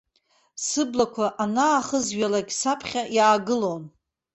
Сыблақәа анаахызҩалак саԥхьа иаагылон.